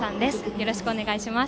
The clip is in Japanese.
よろしくお願いします。